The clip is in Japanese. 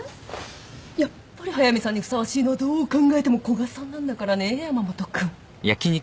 やっぱり速見さんにふさわしいのはどう考えても古賀さんなんだからね山本君。